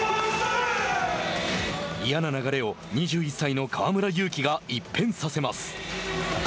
嫌な流れを２１歳の河村勇輝が一変させます。